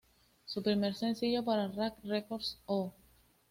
Su primer sencillo para Rak Records, "Oh!